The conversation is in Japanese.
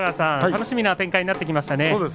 楽しみな展開になりましたね。